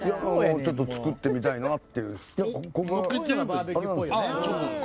ちょっと作ってみたいなっていうのっけちゃえば？